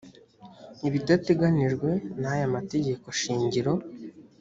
ibidateganijwe n’aya mategeko shingiro